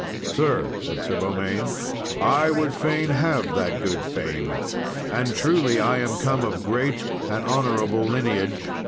"Sir," said Sir Beaumains, "I would fain have that good fame; and truly, I am come of great and honourable lineage.